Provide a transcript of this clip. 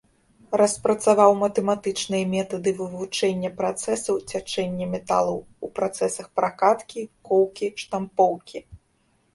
Распрацаваў матэматычныя метады вывучэння працэсаў цячэння металаў у працэсах пракаткі, коўкі, штампоўкі.